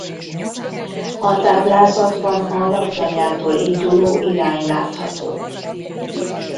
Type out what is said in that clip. A táblázatban a laktanyától induló irány látható.